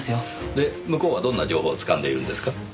で向こうはどんな情報をつかんでいるんですか？